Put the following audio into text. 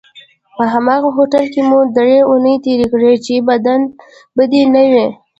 په هماغه هوټل کې مو درې اونۍ تېرې کړې چې بدې نه وې.